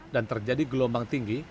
dan terjadi gelombang tinggi